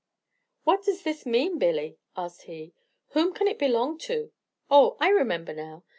"What does this mean, Billy?" asked he; "whom can it belong to? Oh, I remember now.